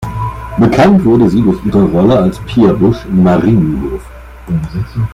Bekannt wurde sie durch ihre Rolle als "Pia Busch" in "Marienhof".